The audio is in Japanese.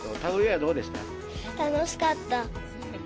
楽しかった。